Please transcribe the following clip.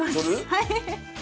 はい。